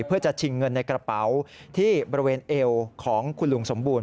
เพื่อจะชิงเงินในกระเป๋าที่บริเวณเอวของคุณลุงสมบูรณ